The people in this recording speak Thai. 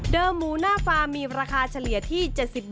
เดิมหมูหน้าฟาร์มมีราคาเฉลี่ยที่